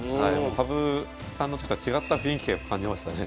羽生さんの時とは違った雰囲気やっぱ感じましたね。